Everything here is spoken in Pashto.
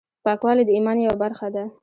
پاکوالی د ایمان یوه برخه ده۔